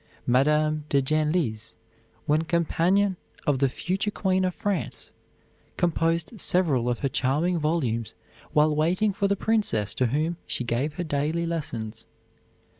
Madame de Genlis, when companion of the future Queen of France, composed several of her charming volumes while waiting for the princess to whom she gave her daily lessons.